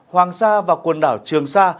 hoàng sa và quần đảo trường sa